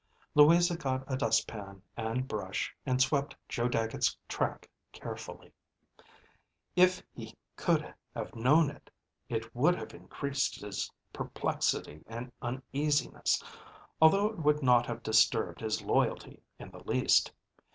Louisa got a dust pan and brush, and swept Joe Dagget's track carefully. If he could have known it, it would have increased his perplexity and uneasiness, although it would not have disturbed his loyalty in the least.